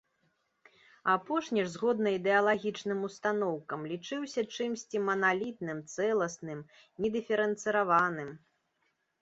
Апошні ж, згодна ідэалагічным устаноўкам, лічыўся чымсьці маналітным, цэласным, недыферэнцыраваным.